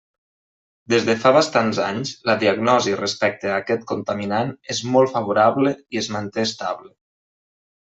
Des de fa bastants anys la diagnosi respecte a aquest contaminant és molt favorable i es manté estable.